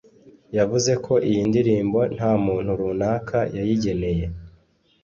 yavuze ko iyi ndirimbo nta muntu runaka yayigeneye